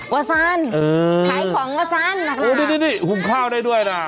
วัสซันขายของวัสซันนะคะโอ้ยหุงข้าวได้ด้วยนะ